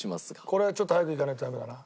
これはちょっと早くいかないとダメだな。